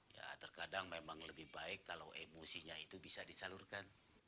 ya terkadang memang lebih baik kalau emosinya itu bisa disalurkan